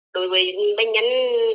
đối với bệnh nhân